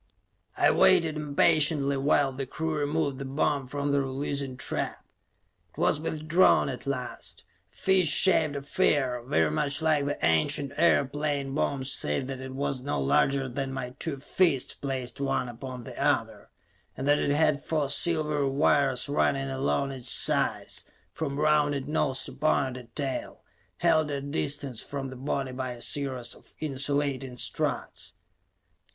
I waited impatiently while the crew removed the bomb from the releasing trap. It was withdrawn at last; a fish shaped affair, very much like the ancient airplane bombs save that it was no larger than my two fists, placed one upon the other, and that it had four silvery wires running along its sides, from rounded nose to pointed tail, held at a distance from the body by a series of insulating struts.